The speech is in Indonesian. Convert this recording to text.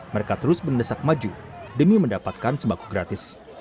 mereka terus mendesak maju demi mendapatkan sembako gratis